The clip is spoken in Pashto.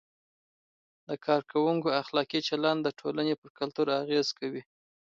د کارکوونکو اخلاقي چلند د ټولنې پر کلتور اغیز کوي.